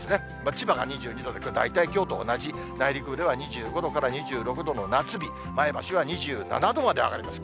千葉が２２度で、大体きょうと同じ、内陸部では２５度から２６度の夏日、前橋は２７度まで上がります。